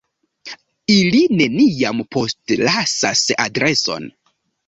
Ili neniam postlasas adreson?